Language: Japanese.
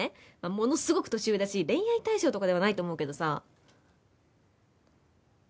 ものすごく年上だし恋愛対象とかではないと思うけどさ。